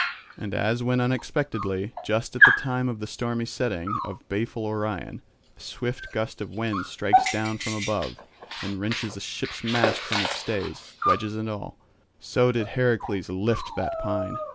And as when unexpectedly, just at the time of the stormy setting of baleful Orion, a swift gust of wind strikes down from above, and wrenches a ship's mast from its stays, wedges and all; so did Heracles lift the pine.